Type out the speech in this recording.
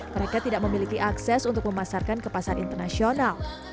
mereka tidak memiliki akses untuk memasarkan ke pasar internasional